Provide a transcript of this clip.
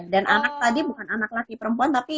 dan anak tadi bukan anak laki perempuan tapi